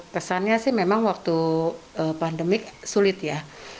kesannya sih memang waktu pandemik sulit ya